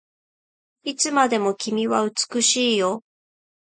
いつまでも君は美しいよ